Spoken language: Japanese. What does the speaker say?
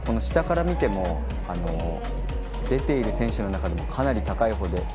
下から見ても出ている選手の中でもかなり高いので。